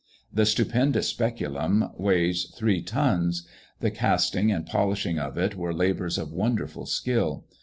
_ The stupendous speculum weighs three tons; the casting and polishing of it were labours of wonderful skill.